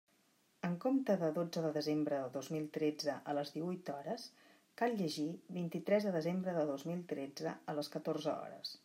En compte de "dotze de desembre de dos mil tretze, a les díhuit hores", cal llegir: "vint-i-tres de desembre de dos mil tretze, a les catorze hores".